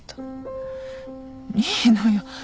いいのよ。